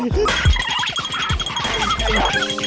โห